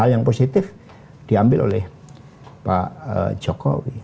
hal yang positif diambil oleh pak jokowi